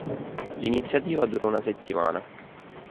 L’iniziativa dura una settimana